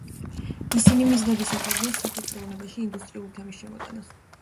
ისინი მიზნად ისახავდნენ სახვით ხელოვნებაში ინდუსტრიული თემის შემოტანას.